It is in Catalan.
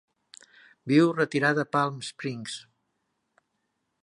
Viu retirada a Palm Springs.